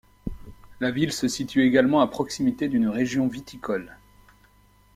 La ville se situe également à proximité d'une région viticole.